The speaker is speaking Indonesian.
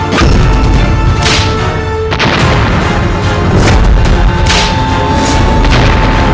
aku harus membantunya